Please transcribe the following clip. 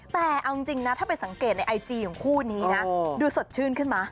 แต่เอาจริงนะถ้าไปสังเกตในไอจีของคู่นี้นะดูสดชื่นขึ้นมา